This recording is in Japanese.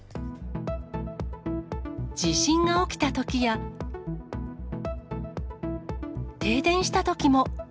地震が起きたときや、停電したときも。